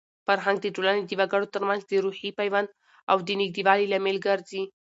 فرهنګ د ټولنې د وګړو ترمنځ د روحي پیوند او د نږدېوالي لامل ګرځي.